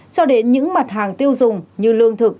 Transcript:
cho đến những mặt hàng tiêu dùng như lương thực